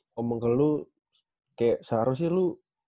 ngomong ke lu kayak seharusnya lu